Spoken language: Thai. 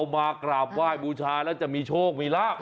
มากราบไหว้บูชาแล้วจะมีโชคมีลาบ